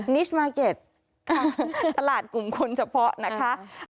นิสมาร์เก็ตตลาดกลุ่มคนเฉพาะนะคะ